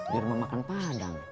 di rumah makan padang